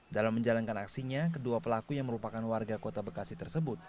dalam menjalankan aksinya kedua pelaku yang merupakan warga kota bekasi tersebut